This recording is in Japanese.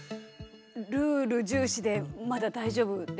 ルール重視でまだ大丈夫ですか？